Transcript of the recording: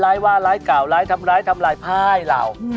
ล้ายว้าล้ายก่าวล้ายทำล้ายทำลายพล่ายเหล่า